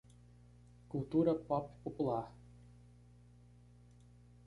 Cultura pop popular